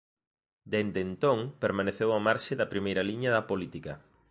Desde entón permaneceu á marxe da primeira liña da política.